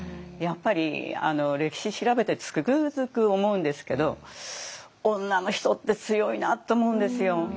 やっぱり歴史調べてつくづく思うんですけど女の人って強いなって思うんですよ。